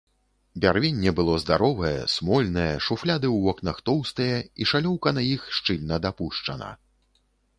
Бярвенне было здаровае, смольнае, шуфляды ў вокнах тоўстыя і шалёўка на іх шчыльна дапушчана.